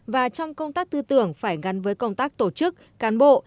và trong công tác tư tưởng phải gắn với công tác tổ chức cán bộ